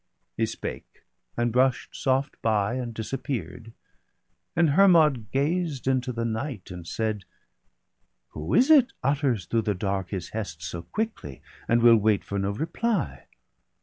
He spake, and brush'd soft by, and disappear'd. And Hermod gazed into the night, and said :—' Who is it utters through the dark his hest So quickly, and will wait for no reply?